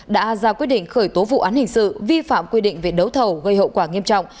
đã ra quyết định khởi tố vụ án hình sự vi phạm quy định về đấu thầu gây hậu quả nghiêm trọng